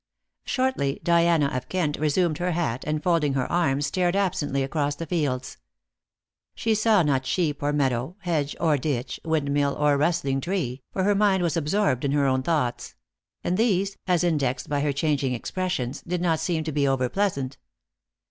Shortly, Diana of Kent reassumed her hat, and, folding her arms, stared absently across the fields. She saw not sheep or meadow, hedge or ditch, windmill or rustling tree, for her mind was absorbed in her own thoughts; and these as indexed by her changing expressions did not seem to be over pleasant.